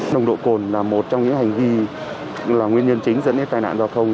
nồng độ cồn là một trong những hành vi là nguyên nhân chính dẫn đến tai nạn giao thông